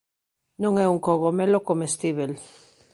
Non é un cogomelo comestíbel.